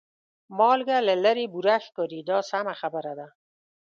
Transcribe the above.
مالګه له لرې بوره ښکاري دا سمه خبره ده.